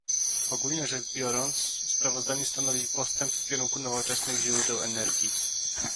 Ogólnie rzecz biorąc, sprawozdanie stanowi postęp w kierunku nowoczesnych źródeł energii